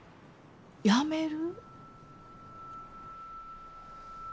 やめる？